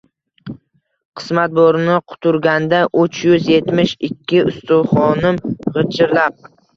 Qismat boʼroni quturganda, uch yuz yetmish ikki ustuxonim gʼichirlab